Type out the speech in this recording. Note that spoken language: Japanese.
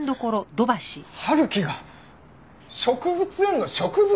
春樹が植物園の植物を？